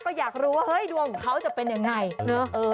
ก็อยากรู้ว่าดัวของเขาจะเป็นยังไง